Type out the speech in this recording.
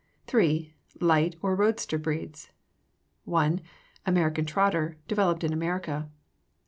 III. Light, or Roadster, Breeds 1. American Trotter, developed in America.